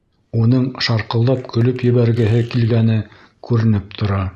Уның шарҡылдап көлөп ебәргеһе килгәне күренеп тора.